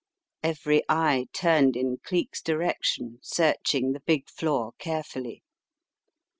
" Every eye turned in Cleek's direction searching the big floor carefully.